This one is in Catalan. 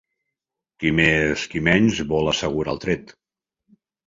Qui més qui menys vol assegurar el tret.